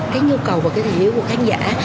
cái nhu cầu và cái thể hiệu của khán giả